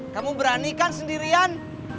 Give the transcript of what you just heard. kamu berani kan sendirian